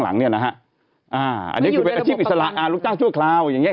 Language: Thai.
อันนี้คือเป็นอาชีพอิสระลูกจ้างชั่วคราว